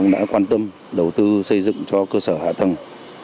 đã quan tâm đầu tư xây dựng cho cơ sở hạ tầng